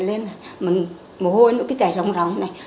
nên là mình mồ hôi nữa cái trái rong rong này